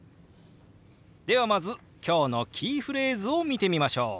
ではまず今日のキーフレーズを見てみましょう。